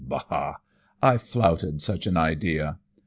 Bah! I flouted such an idea.